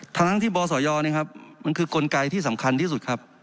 ทั้งที่บศยมันคือกลไกที่สำคัญที่สุดครับ